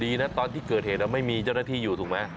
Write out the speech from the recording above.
ดีนะตอนที่เกิดเหตุไม่มีเจ้าหน้าที่อยู่ถูกไหม